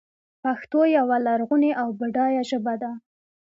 پښتو یوه لرغونې او بډایه ژبه ده.